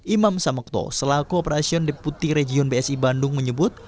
imam samukto selaku operation deputi region bsi bandung menyebut